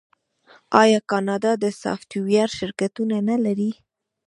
آیا کاناډا د سافټویر شرکتونه نلري؟